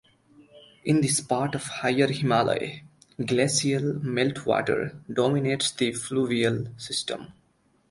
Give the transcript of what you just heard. In this part of higher Himalaya, glacial melt-water dominates the fluvial system.